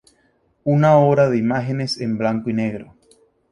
Una obra de imágenes en blanco y negro.